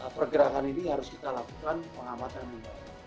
pergerakan ini harus kita lakukan pengamatan juga